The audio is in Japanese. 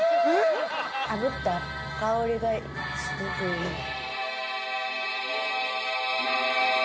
あぶった香りがすごくいいです